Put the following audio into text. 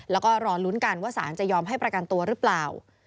แล้วก็รอลุ้นกันว่าสารจะยอมให้ประกันตัวหรือเปล่า